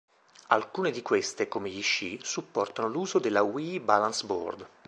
Alcune di queste, come gli sci, supportano l'uso della Wii Balance Board.